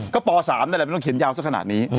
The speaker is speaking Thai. ก็ป๓นั่นแหละไม่ต้องเขียนยาวสักขนาดนี้